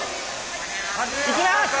いきます！